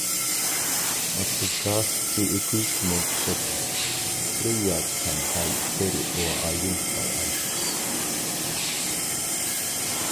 At "Garth's Equipment Shoppe" players can buy, sell, or identify items.